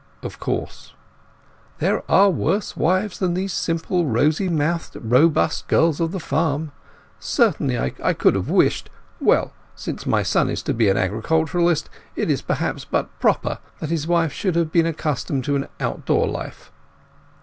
"Of course." "There are worse wives than these simple, rosy mouthed, robust girls of the farm. Certainly I could have wished—well, since my son is to be an agriculturist, it is perhaps but proper that his wife should have been accustomed to an outdoor life."